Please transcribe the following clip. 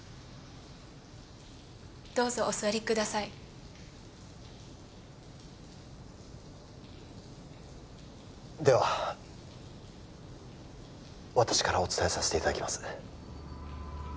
どうぞお座りくださいでは私からお伝えさせていただきます